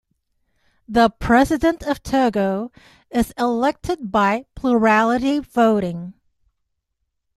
The President of Togo is elected by plurality voting.